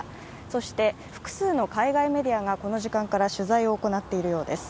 そして複数の海外メディアがこの時間から取材を行っているようです。